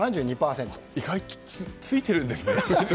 意外とついているんですね。